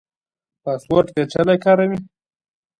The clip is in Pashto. پاسورډ پیچلی کاروئ؟